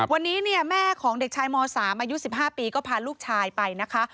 วันนี้เนี่ยแม่ของเด็กชายม๓อายุ๑๕ปีก็พาลูกชายไปนะคะ